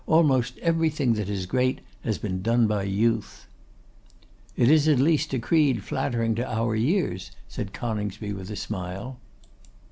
Almost everything that is great has been done by youth.' 'It is at least a creed flattering to our years,' said Coningsby, with a smile.